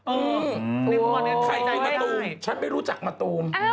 อืมใครขึ้นมาตูมฉันไม่รู้จักมะตูม